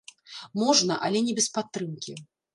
Можна, але не без падтрымкі.